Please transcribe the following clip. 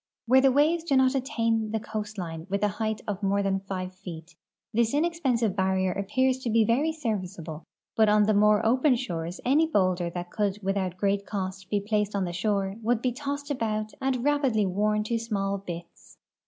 Where the waves do not attain the coastline witli a height of more than five feet, this ine.xpensive barrier appears to l;e very serviccalde, l)ut on tlie more open shores any boulder that could without great cost he placed on the shore would be tossed about and rapidl}" worn to small bits.